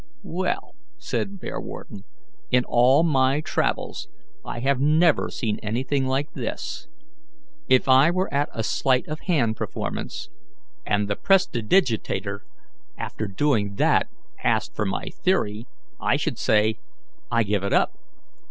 "Well," said Bearwarden, "in all my travels I never have seen anything like this. If I were at a sleight of hand performance, and the prestidigitateur, after doing that, asked for my theory, I should say, 'I give it up.'